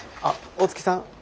あっ大月さん。